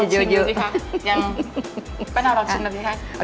ป้านาวลองชิมหน่อยสิคะ